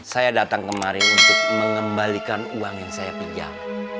saya datang kemari untuk mengembalikan uang yang saya pinjam